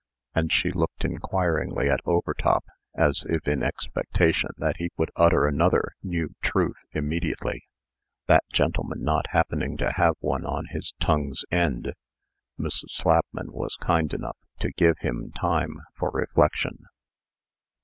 And she looked inquiringly at Overtop, as if in expectation that he would utter another new TRUTH immediately. That gentleman not happening to have one on his tongue's end, Mrs. Slapman was kind enough to give him time for reflection.